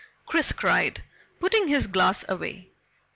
Chris cried, putting his glass away.